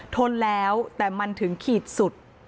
ทนแล้วแต่มันถึงขีดสุด